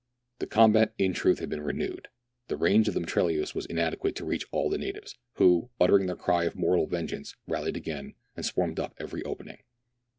The combat, in truth, had been renewed. The range of the mitrailleuse was inadequate to reach all the natives, who, uttering their cries of mortal vengeance, rallied again, and swarmed up every opening.